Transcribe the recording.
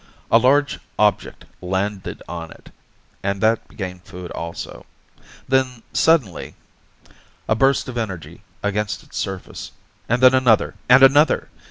A large object landed on it, and that became food also. Then suddenly A burst of energy against its surface, and then another, and another.